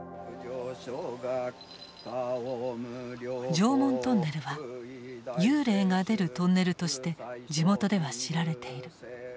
常紋トンネルは幽霊が出るトンネルとして地元では知られている。